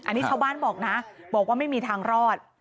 อันนี้ชาวบ้านบอกนะบอกว่าไม่มีทางรอด